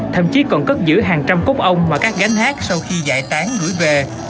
thậm chí còn cất giữ hàng trăm cốt ong và các gánh hát sau khi giải tán gửi về